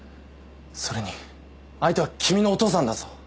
それに相手は君のお父さんだぞ。